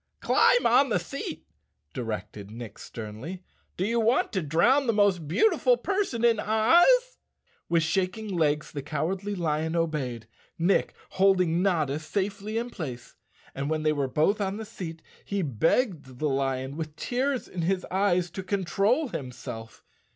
" Climb on the seat," directed Nick sternly. " Do you want to drown the most beautiful person in Oz?" With shaking legs the Cowardly Lion obeyed, Nick holding Notta safely in place, and when they were both on the seat he begged the lion, with tears in his eyes, to con¬ trol himself.